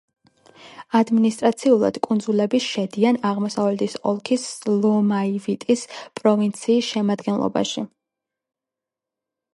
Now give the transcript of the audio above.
ადმინისტრაციულად კუნძულები შედიან აღმოსავლეთის ოლქის ლომაივიტის პროვინციის შემადგენლობაში.